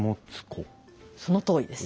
そのとおりです。